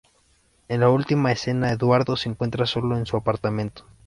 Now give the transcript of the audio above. En la última escena Eduardo se encuentra solo en su apartamento.